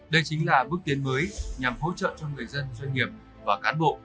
đây chính là bước tiến mới nhằm hỗ trợ cho người dân doanh nghiệp và cán bộ